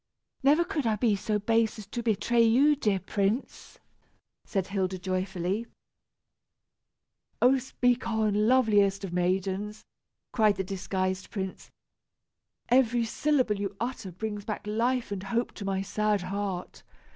"Never could I be so base as to betray you, dear prince," said Hilda joyfully. "Oh! speak on, loveliest of maidens," cried the disguised prince. "Every syllable you utter brings back life and hope to my sad heart.